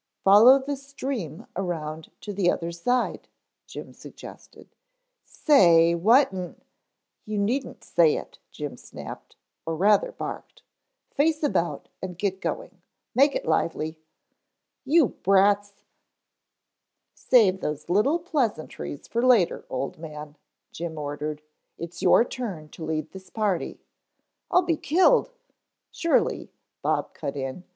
"Follow the stream around to the other side," Jim suggested. "Say, what in " "You needn't say it," Jim snapped, or rather barked. "Face about and get going. Make it lively " "You brats " "Save those little pleasantries for later, old man," Jim ordered. "It's your turn to lead this party " "I'll be killed " "Surely," Bob cut in.